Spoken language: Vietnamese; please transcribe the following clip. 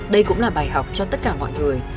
đây cũng là bài học cho tất cả mọi người